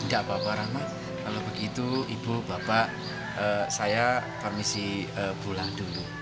tidak apa apa ramah kalau begitu ibu bapak saya permisi pulang dulu